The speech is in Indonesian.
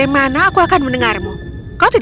dia kali ini menyumbang setelah pulang ke jejila